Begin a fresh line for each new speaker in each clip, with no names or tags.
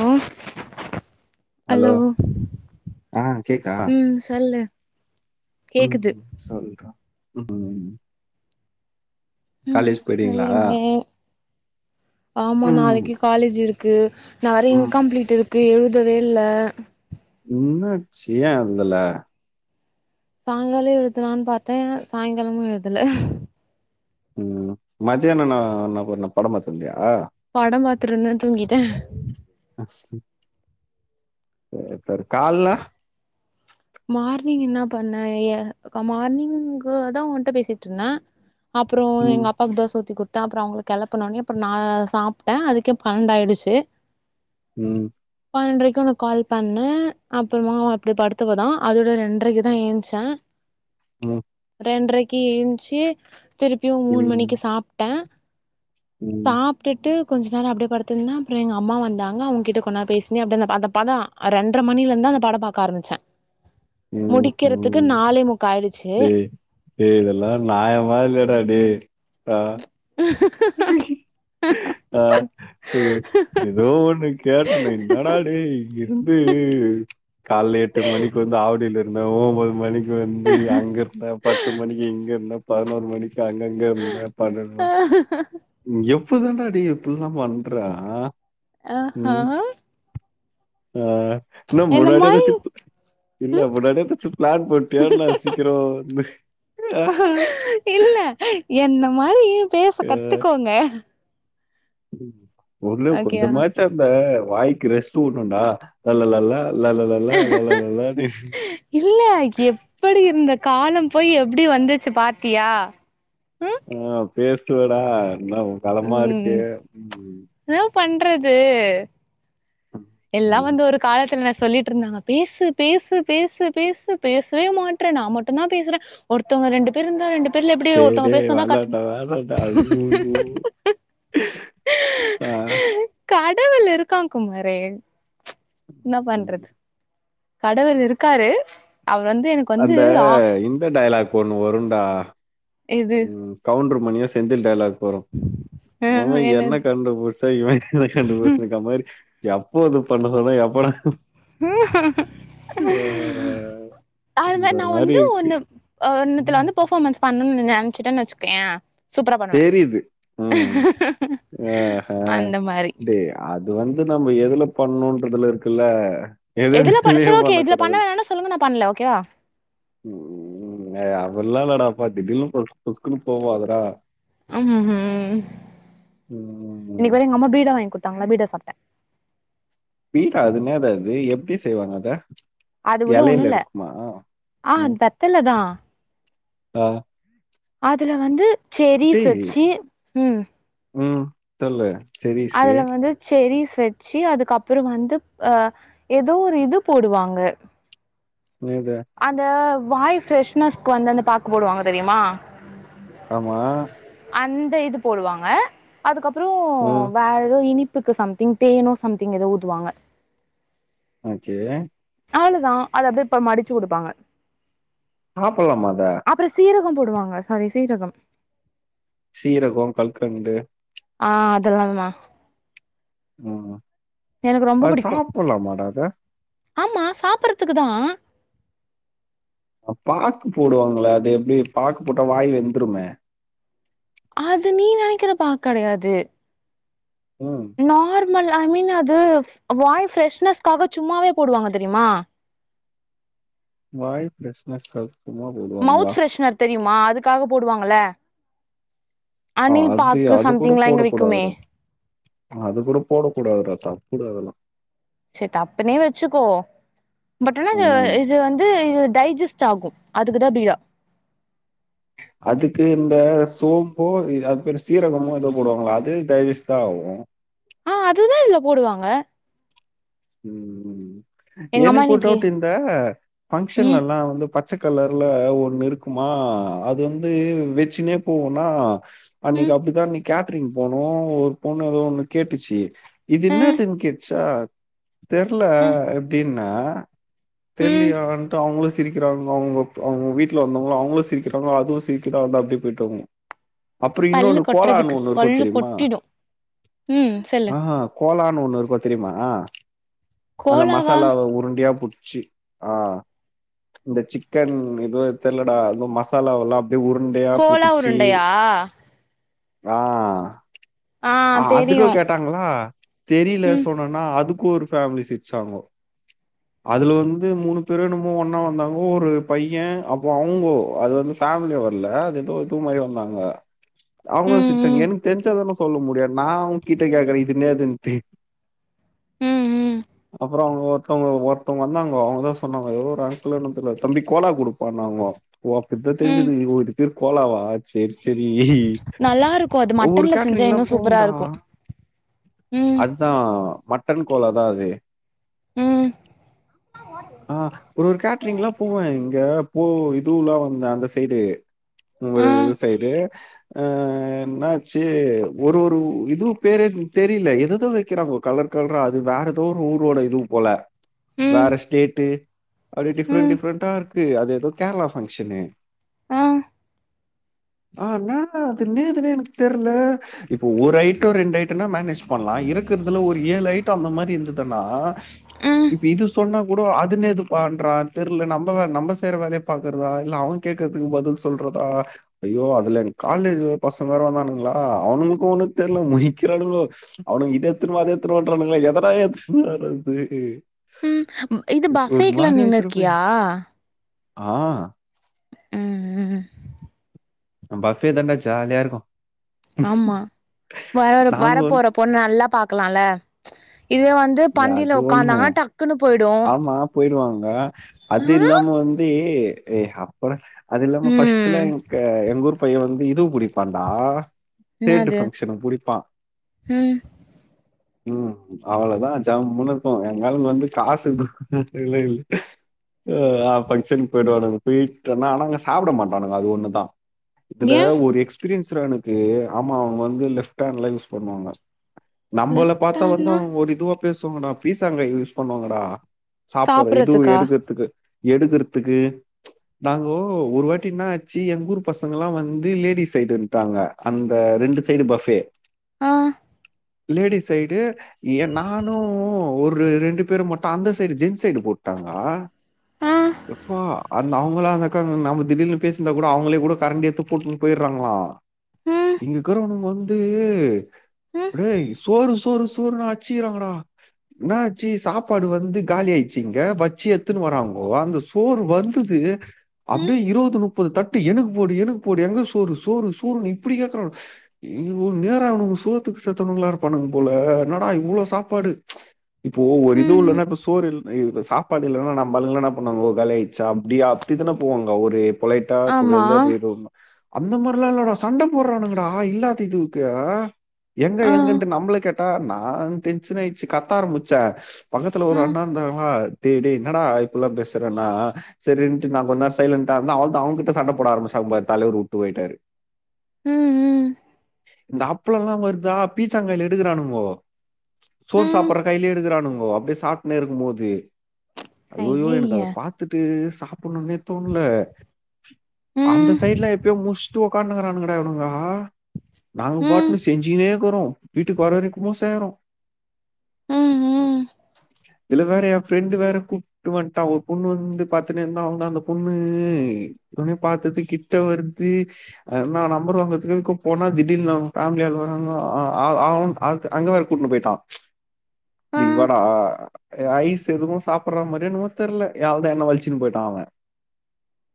ஓ hello
ஆ கேக்குதா
ம் சொல்லு கேக்குது
ம் சொல்றே ம் ம் ம்
ம்
போயிடுவீங்களா
இருந்தே ஆமா
ம்
நாளைக்கு காலேஜ் இருக்கு நெறய இன்
ம்
கம்ப்ளீட் இருக்கு எழுதவே இல்ல
என்னாச்சு ஏன் எழுதல
சாயங்கால எழுதலான்னு பாத்தே சாயங்காலமு எழுதல
ம் மத்தியான என்ன பண்ண பட பாத்துட்டு இருந்தயா
பட பாத்துட்டு இருந்தே தூங்கிட்டே
[unintelligible] கால்ல
மார்னிங் என்ன பண்ணே ஏ மார்னிங்கே தா உன்ட்டா பேசிட்டு இருந்தே அப்றோ
ம்
எங்க அப் அப்பாக்கு தோசஊத்தி கொடுத்தே அப்றோ அவங்கள கேலப்ன உடனே அப்றோ நா சாப்ட்டே அதுக்கே பன்னடாயிடுச்சு
ம்
பன்றான்றைக்கு உனக்கு கால் பண்ணே அப்புறமா அப்படி படுத்து [unintelligible] அதோட ரேன்ரைக்குதா ஏழுந்துச்சே
ம்
ரேன்றைக்கு எத்துச்சு திருப்பியு மூணு
ம்
மணிக்கு சாப்ட்டே
ம்
சாப் அப்பட்டு கொஞ்ச நேரம்ப்பே சாப்டுட்டு கொஞ்ச நேர அப்படியே படுத்துருதே அப்புறோ எங்க அம்மா வந்தாங்க அவங்ககிட்ட கொஞ்சோநேரம் பேசிருந்து அப்பே அந்த அந்த பதம் ரெண்ர மணில இருந்துதா அந்த படம் பாக்க ஆரமிச்சே
ம்
முக்கா ஆயிடுச்சு
ம் டேய் இதெல்லா நாயமா இல்லடா டேய் ஆ
[unintelligible]
ஆ டேய் ஏதோ ஒண்ணு கேட்டேனே என்னடா டேய் இது காலைல எட்டு மணிக்கு வந்து ஆவடியில இருந்தே ஓம்பது மணிக்கு வந்து அங்க நா பத்து மணிக்கு இங்க இருந்தே பதினோரு மணிக்கு அங்கங்க இருந்தே பன்னெண்டு மணிக்கு எப்பதாண்டா டேய் இப்டில்லா பண்ற
ஆஹா
உம் ஆ என்ன முன்னாடியதா சிப்பு
ம்
இல்ல முன்னாடியே எதாச்சு ப்ளான் போட்டியா நா சீக்கிரோ வரணு
இல்ல என்ன மாதிரியு பேச கத்துக்கோங்க
ஒர்ளவு
ஓகேவா
கொஞ்சமாச்சா அந்த வாய்க்கு ரெஸ்ட் வுட்ணுடா லல்ல லாலா லல்ல ல்லா லாலான்னு
சரி இந்த காலம் போய் எப்டி வந்துச்சு பாத்தியா உம்
ஆ பேசுவடா என்ன களமா இருக்கு
உம்
ம்
ன்னா பண்றது எல்லாம்
ம்
வந்து ஒரு காலத்தில் நா சொல்லிட்டுருந்தாங்க பேசு பேசு பேசு பேசு பேசவே மாட்ற நா மட்டும்தா பேசுறே ஒருத்தவங்க ரெண்டு பேர் இருந்தா ரெண்டு பேர்ல எப்டி
டேய் டே
ஒருத்தவங்க பேசுனாதா கட்
வேணாடா வேணாண்டா அய்யய்யோ ஆ
கடவுள் இருக்கான் குமாரு என்னா
ம்.
பண்றது கடவுள் இருக்காரு அவர் வந்து எனக்
அந்த இந்த டைலாக் ஒண்ணு வரும்டா
இது
உம் கவுண்டுர் மணியோ செந்தில் டயலாக் போறோ
ஆ
எவே என்ன
என்னது
கண்டுபிடிச்சா இவே என்ன கண்டுபிடிச்சான்னுக்கா மாரி எப்போ இது பண்ண சொன்னா எப்பா வேற
அதுல நா வந்து ஒன்னு இன்னத்துல
ம்.
வந்து பெர்ஃபார்மன்ஸ் பண்ணும்னு நினைச்சட்டேன்னு வச்சுக்கோயே சூப்பரா பண்ணுவே
தெரியுது ம் ஆஹ
அந்த மாதிரி
டேய் அது வந்து நம்ம எதுல பண்ணணும்ன்றதுல இருக்குல்ல எது
எதுல பண் சரி
எதுலயும்
ஓகே இதுல பண்ண
பண்ணக்கூடாதுல்ல
வேணாம சொல்லுங்க நா பண்ணல ஓகேவா
உம் அதெல்லா லடா ப்பா திடீர்னு பொஸ் பொஸ்குனு போவாதடா
அம்
ம்
இன்னைக்கு வந்து எங்க அம்மா பீடா வாங்கி குடுத்தாங்களா பீடா சாப்ட்டே
பீடா அதுனேதா அது எப்டி செய்வாங்க அத
அது உள்ள ஒண்ணு
எலைல
இல்ல
இருக்குமா
ஆ
உம்
வெத்தல தா
தா
அதுல வந்து செரீஸ் வச்சு ம்
உம் தொர்ல்ல செரியா
அதுல வந்து செரீஸ் வச்சு அதுக்கப்புறோ வந்து அ ஏதோ ஒரு இது போடுவாங்க
நேகா
அந்த வாய் ஃப்ரெஷ்னஸ்க்கு வந்தந்து அந்த பாக்கு போடுவாங்க தெரியுமா
ஆமா
அந்த இது போடுவாங்க அதுக்கப்புறம்
ம்
வேற ஏதோ இனிப்பு இதுக்கு சம்திங் தேனோ சம்திங் ஏதோ ஊத்துவாங்க
ஆ செரி
அவ்ளோதா அத அப்டியே இப்ப மடிச்சு குடுப்பாங்க
சாப்ட்லாமா அத
அப்றோ சீரகம் போடுவாங்க சாரி சீரகம்
சீரகோ கல்கண்டு
ஆஅதெல்லாம்மா
உம்
எனக்கு
அது சாப்பட்லாமா டா அத
ஆமாம் சாப்பறதுக்கு தா
பாக்கு போடுவாங்கள அது எப்டி பாக்கு போட்டா வாய் வெந்துருமே
அது நீ நெனைக்கிற பாக் கெடையாது
ம்
நார்மல் ஐ மீன் அது வாய் ஃப்ரெஷ்னஸ்க்காக சும்மாவே போடுவாங்க தெரிமா
வாய் பிரச்ன [unintelligible]
மௌத் ஃப்ரெஷ்னர் தெரிமா அதுக்காக போடுவாங்கள
ஆ
அனில்
அது
பாக்கு
அது கூட
சம்திங் எலா இங்க விக்குமே
போடக்கூடாதுடா அது கூட போடக்கூடாது டா தப்புடா அதெல்லா
சரி தப்புனே வெச்சுக்கோ பட் ஆனா இது
ம்
இது வந்து இது டைஜஸ்ட் ஆகு அதுக்கு தா பீடா
அதுக்கு இந்த சோம்போ அதுபேரு சீரகமோ எதோ போடுவாங்கள அது டைஜெஸ்ட் தா ஆகு
ஆ அதுதா இதுல போடுவாங்க
உம்
எங்க அம்மா
எனக்கு ஒரு
இன்னைக்கு
டவுட்டு இந்த பங்க்ஷன்ல
ம்
எல்லா வந்து ப ச்ச கலர்ல ஒன்னு இருக்குமா அது வந்து வெச்சுனே போவோனா
ம்
அன்னைக்கு அப்டித்தா இன்னைக் கேட்டரிங் போனோ ஒரு பொண்ணு ஏதோ ஒண்ணு கேட்டுச்சு இது
அ
என்னாதுனு கேட்ச்சா தெர்ல
அ
எப்படின்னா
ம்
தெர்லியான்ட்டு அவங்களு சிரிக்கிறாங்க அவங்க அவங்க வீட்டுல வந்தவங் அவங்ளு சிரிக்கிறாங்க அது சீக்கரம் வந்தா அப்டே [unintelligible] அப்புறோ
பல்லு
இன்னொன்னு கோலான்னு
கொட்டுறதுக்கு
ஒண்ணு இருக்கு
பல்லு
தெரிமா
கொட்டிடு ம் சொல்லு
ஆ கோலான்னு ஒண்ணு இருக்க தெரிமா அந்த
கோலாவா
மசாலாவை உருண்டியா புடிச்சு ஆ இந்த சிக்கன் ஏதுவு தெர்லடா எதுவு மசாலாவல்லா அப்டியே உருண்டையா
கோலா
புடிச்சி
உருண்டையா
ஆ
ஆ
அதுக்கு
தெரியு
கேட்டாங்ளா தெரில
ம்
சொன்னேன்னா அதுக்கு ஒரு ஃபேமிலி சிரச்சாங்க அதில வந்து மூணு பேரு என்னமோ ஒன்னா வந்தாங்கோ ஒரு பைய அப்போ அவுங்கோ அது வந்து ஃபேமிலி வர்ல அது எதுவு இது மாரி வந்தாங்க அவங்களு
ம்
சிரிசாங்
ம்
எனக்கு தெரிஞ்சாதானே சொல்ல முடியாது நான் அவுங்க கிட்ட கேக்குறே இதுனேதுன்ட்டு
ம் ம்
அப்புறம் அவங்க ஒருத்தவங் ஒருத்தவங்க வந்தாங்க அவங்கதா சொன்னாங்க எவ்வள அணலன்ன தெரியல ஓ அப்பே
ம்
தெரிஞ்சது ஒரு பேர் கோலாவா சேரி சேரி
நல்லாருக்கு அது
ஒவ்வொரு
மட்டன்ல செஞ்சா
கேட்ரிங்லா
இன்னு சூப்பரா
போவுண்டா
இருக்கும் ம்
தா மட்டன் கோலா தா அது
ம்
ஆ ஒரு ஒரு கேட்ரிங்களா போவே இங்க போ இதுல்லா வந்தே அந்த சைடு உங்க
ஆ
சைடு ஆ என்னாச்சே ஒரு ஒரு இதுவு பேர தெரில எதேதோ வெக்கிறாங்க கலர் கலரா அது வேற ஏதோ ஒரு ஊரோட இதுவு போல
ம்
வேற ஸ்டேட்டு அப்டி டிஃப்ரெண்ட்
ம்
டிஃப்ரெண்டடா இருக்கு அது ஏதோ கேரளா ஃபங்க்ஷனு
ஆ
ஆ வேண்டா அது நேதுனே எனக் தெர்ல இப்போ ஒரு ஐட்டோ ரெண் ஐட்டோனா மேனேஜ் பண்லா இருக்கிறதுல ஒரு ஏழு ஐட் டோ அந்த மாரி இருந்ததுனா
ம்
இப்ப இது சொன்னா கூட அதுன்னே இது பண்றா தெர்ல நம்ம வே நம்ம செய்யற வேலைய பாக்குறதா இல்ல அவன் கேக்குறதுக்கு பதில் சொல்றதா ஐயோ அதுல என காலேஜ் பசங்க வேர வந்தானுங்களா அவனுங்களுக்கு ஒண்ணு தெரியல முனிக்கிறானுங்கா அவனு திருவாத திருரது ஏத டா திருவரது
ம் இது பபேக்குலா நின்னு
போய்.
இருக்கியா
ஆ
ம் ம்
பப்வே தண்டா ஜாலியா இருக்கு
ஆமா வர வர
நாங்க
போற
வந்து
பொண்ணு நல்லா பாக்கலாம்ல இதுவே வந்து
அது
பந்தியில
ஒண்ணு
உட்காந்தாங்கன்னா டக்குன்னு போயிடு ஆ
ஆமா போயிருவாங்க அது இல்லாம வந்து அப்றோ அது இல்லாம பஃபர்ஸ்ட் எலா
ம்
எங்க எங்க ஊர் பையன் வந்து இதுவு பிடிப்பான்ண்டா [unintelligible]
என்னது
பங்க்ஷனு பிடிப்பா
ம்
ம் அவ்வளோதா ஜமூன்னு இருக்கு எல்லாரு ஏழுந் காசுக்கு ஏலே ஹ ஆ பங்க்ஷனுக்கு போய்டு வான்ங்க போயிட்டுனா ஆனாங்க சாப்ட மாட்டானுங்க அது ஒண்ணு தா இதுல
ஏ
ஒரு எக்ஸ்பீரியன்ஸ்டா எனுக்கு ஆமா அவங்க வந்து லெஃப்ட் ஹேண்ட்ல யூஸ் பண்ணுவாங்க நம்மள
லெஃப்ட்
பாத்தா வந்து
ஹாண்ட்னா
அவங்க ஒரு இதுவா பேசுவாங்கடா பீலிஸ் அங்க யூஸ் பண்ணுவாங்கடா சாப்ட்ற இதுவு
சாப்புட்றதுக்கா
எடுக்கறதுக்கு எடுக்கறதுக்கு நாங்கோ ஒரு வாட்டின்னா ஆச்சு எங்க ஊர் பசங்கல்லா வந்து லேடிஸ் சைடு வந்துட்டாங்க அந்த ரெண்டு சைடு பஃபே
ஆ
லேடிஸ் சைடு ஏ நானு ஒரு ரெண்டு பேருமாட்டு அந்த சைடு ஜென்ஸ் சைடு போட்டாங்க
ஆ
எப்பா அந்த அவங்களா அந்தக்கா நம்ம திடில்னு பேசிந்தா கூட அவங்களே கூட கரண்ட் ஏடுத்து போட்டு போயிட்றாங்ளா
ம்
இங்கக்றவனங்க வந்து
ம்
டேய் சோறு சோறு சோறு னு அச்சுறாங்கடா என்ன ஆச்சு சாப் சாப்பாடு வந்து காலி ஆயிச்சுங்க இங்க வடுச்சு எத்துன்னு வராங்கோ அந்த சோறு வந்தது
ம்
அப்டியே இருபது முப்பது தட்டு எனக்கு போடு எனக்கு போடு எங்க சோறு சோறு சோறுன்னு இப்டி கேக்குறங்க இ நேர அவனுங்க சோத்துக்கு சேத்தணுங்கலா இருப்பானுங்க போல எனடா இவ்ளோ சாப்பாடு இப்போ ஒரு இதுவு
ம்
இல்லன்னா இப்ப சோறு இல் இ சாப்பாடு இல்லன்னா நம்பாள்ங்கன பண்ணாங்க காலி ஆயிச்சா அப்டியா அப்டித்தானே போவாங்க ஒரு பொழைட்டா
ஆமா
புகழ்ந்தா போயிருமா அந்த மாரிலால்லட சண்ட போட்றானுங்கடா இல்லாத இதுக்கு எங்க
ஆ
எங்கட்ன்டு நம்மள கேட்ட நா டென்ஷ ஆயிட்ச்சு கத்த ஆரம்பிச்சே பக்கத்ல ஒரு
ம்
அண்ணா இருந்தாங்ளா டேய் டேய் என்னடா இப்பல்லா பேசுறேன்னா சரின்ட்டு நா கொஞ்சே சைலண்டா இருந்த அவள்தா அவங்கிட்ட சண்ட போட ஆரம்ப சார் தலைவர் உட்டு போய்ட்டாரு
ம் ம்
இந்த அப்பளல்லா வருதா பீச்சாங்கைல எடுக்றானுங்கொ சோறு
ம்
சாப்பிட்ற கையிலே எடுகுறானுங்க அப்டிய சாப்னே இருக்கு போது ஐயோயோ எனக்கு
ஐயய்ய
அத பாத்துட்டு சாப் புனுனெ தோணல அந்த
ம்
சைட்லா எப்போ முச்டு உக்கானுகராங்டா இவ்னுங்க நாங்க
ம்
பாட்ன்னு செஞ்சுனேக்கறோ வீட்டுக்கு வர வரைக்குமோ சேய்றோ
ம் ம்
இதுல வேற என் ஃப்ரெண்டு் வேற கூப் விட்டு வந்துட்டா ஒரு பொண்ணு வந்து பாத்துனு இருந்தா அந்த பொண்ணு உனே பாத்தது கிட்ட வருது என்ன நம்பர் வந்துருக்கு கு போனா திடீன்னு ஃபேமிலியால் வராங்க ஆ ஆ உன்னு அ அங்க வேற கூட்னு போயிட்டா ம்ச்
ஆ
செரிங்களா அ ஐஸ் எதுவு சாப்பிட்ற மாரிய நம தெர்ல ய அவ்ள் தா என்ன வள்ச்சுன்னு போயிட்டா அவ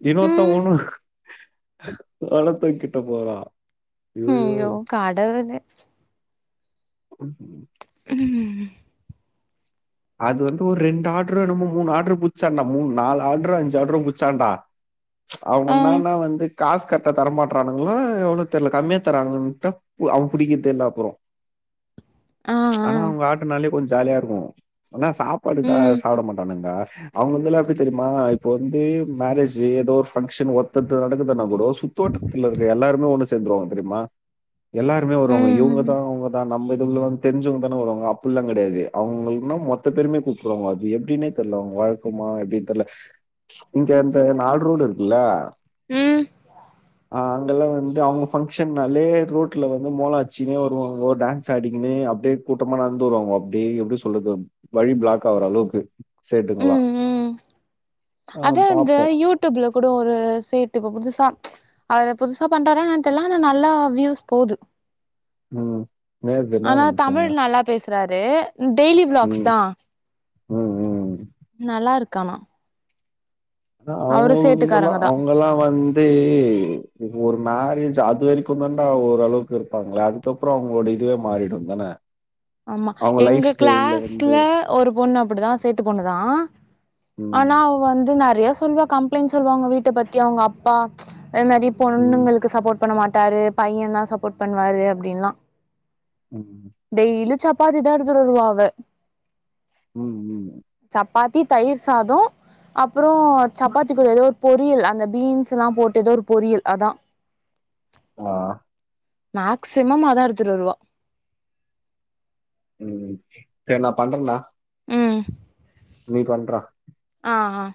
இன்னொத்தா
ம்
ஒண்ணு பளத்த கிட்ட போறா யோ யோ
ஐயோ கடவுளே ம்
அது வந்து ஒரு ரெண்டு ஆட்ரு என்னமோ மூணு ஆட்ரு புச்சாண்டா மூ நாலு ஆட்ரு அஞ்சு ஆட்ரு புச்சாண்டா அவங்க
ஆ
என்னென்னா வந்து காசு கட்டா தரமாட்டானுங்ளோ எவ்ளோ தெர்ல கம்மியா தர்ராங்கன்ன அவங்க பிடிக்க தெர்ல அப்றோ
ஆ ஆ
ஆனா அவ்ங்க ஆட்டனாலே கொஞ்ச ஜாலியா இருக்கு ஆனா சாப்பாடு சா
ம்
சாப்பிட மாட்டானுங்களா அவங்க வந்து எல்லா அப்டி தெரியுமா இப்ப வந்து மேரேஜ் ஏதோ ஒரு ஃபங்க்ஷன் ஒத்தது நடக்குதுனா ப்ரோ சுத்தோட்டத்தில இருக்க எல்லாருமே ஒன்னு செந்ருவாங்க தெரியுமா எல்லாருமே வருவாங்க இவங்க தா
ம்
அவங்க தா நம்மதுள்ள வந்து தெரிஞ்சவங்கதான வராங்க அப்பல்லா கிடையாது அவங்க இன்னும் மொத் ரெண்டு பேருமே கூப்டுவாங்க அது எப்டின்னே தெர்ல அவுங்க வழக்கமா எப்டின்னு தெர்ல ம்ச் இங்க அந்த நால் ரோடு இருக்குல்ல
ம்
அ அங்கெல்லா வந்து அவுங்க ஃபங்க்ஷன்னாலே ரோட்ல வந்து மோளொ அச்சினே வருவாங்கோ டான்ஸ் ஆடிக்கினு அப்டியே கூட்டமா நடந்து வருவங்க அப்டி எப்டி சொல்து வழி பிளாக்காவ்வர அளவுக்கு சேட்டுங்களா
ம் ம் அதா அந்து யூடியூப்ல கூட ஒரு சேட்டு இப்ப புதுசா ம்ச் அவரு புதுசா பன்றாரா என்னன்னு தெரிலான ஆனா நல்லா வியூஸ் போது
ம் நேத்துதா
ஆனா
அப்டி
தமிழ்
பண்ணே
நல்லா பேசுறாரு டெய்லி விளாக்ஸ் தா
ம், ம்.
நல்லாருக்கானா
அத அவுங்களுக்குல்லலா
சேட்டுக்காரங்க தா
அவுங்கல்லா வந்து இப்ப ஒரு மேரேஜ் அது வரைக்கு தாண்டா ஓரளவுக்கு இருப்பாங்களே அதுக்கப்பறொ அவுங்களோட இதுவே மாறிடுந்தானே [inaudible]
ஆமா எங்க க்ளாஸ்ல ஒரு பொண்ணு அப்டிதா சேட்டு பொண்ணுதா
ம்,
ஆனா அவ வந்து நெறையா சொல்வா கம்ப்ளைண்ட் சொல்லுவா அவுங்க வீட்ட பத்தி அவுங்கப்பா ம்ச் நெறைய
ம்,
பொண்ணுங்களுக்கு சப்போர்ட் பண்ண மாட்டாரு பைய தா சப்போர்ட் பண்ணுவாரு அப்டின்லா
ம் ம்
டெய்லு சப்பாத்தி தா எடுத்துரவா அவ
ம், ம்.
சப் பாதி தயிர் சாதோ அப்றோ சப்பாத்திக்கூட ஏதோ பொறியல் அந்த பீன்ஸ்ல்லா போட்டுட்டு ஒரு பொறியல் அதா
ஆ
மேக்சிமம் ஆதா எடுத்துடு வருவ
ம் செரி நா பண்றேடா
ம்
நீ பண்றா
ஆ ஆ